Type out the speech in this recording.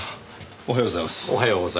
おはようございます。